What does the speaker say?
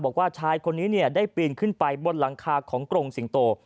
บอกว่าชายเป็นคนได้บีนมาขึ้นกับลังคาของกรุงซาตุสิงโต